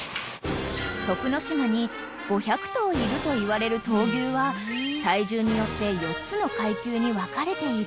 ［いるといわれる闘牛は体重によって４つの階級に分かれている］